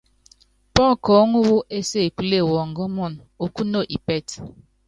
Pɔ́kɔɔ́ŋu wú ésekule wɔngɔmun, okúno ipɛ́tɛ.